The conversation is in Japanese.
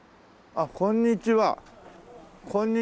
あらこんにちは！